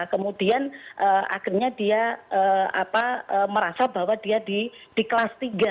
kemudian akhirnya dia merasa bahwa dia di kelas tiga